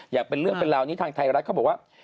อย่างเป็นเรื่องเป็นราวนี้ทางไทยรัฐเขาบอกว่า